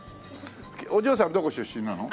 お嬢さんどこ出身なの？